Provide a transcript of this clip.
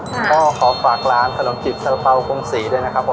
คุณพ่อขอฝากร้านขนมจิบสระเปาคงศรีด้วยนะครับ